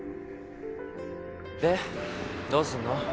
でどうすんの？